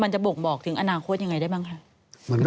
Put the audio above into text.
มันจะบกบอกถึงอนาคตอย่างไรได้บ้างคะ